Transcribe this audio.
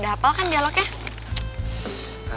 udah hafal kan dialognya